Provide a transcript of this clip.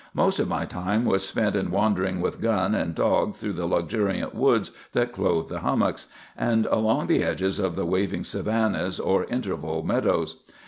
Most of my time was spent in wandering with gun and dog through the luxuriant woods that clothed the hummocks, and along the edges of the waving savannas or interval meadows.